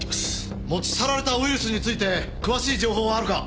持ち去られたウイルスについて詳しい情報はあるか？